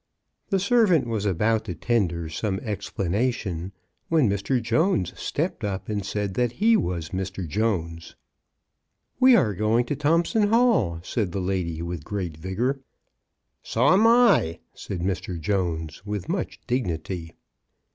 The servant was about to tender some explanation, when Mr. Jones stepped up and said that he was Mr. Jones. *'We are going to Thompson Hall," said the lady, with great vigor. " So am I," said Mr. Jones, with much dig nity.